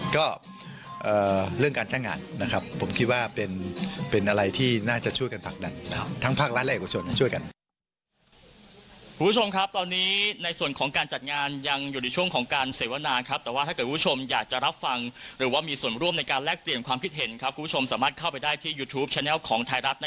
ก็เรื่องการจ้างงานผมคิดว่าเป็นอะไรที่น่าจะช่วยกันผลักดัน